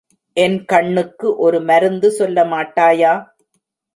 என் கண்ணுக்கு ஒரு மருந்து சொல்ல மாட்டாயா?